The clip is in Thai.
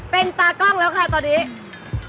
เป็นตากล้องแล้วค่ะตอนนี้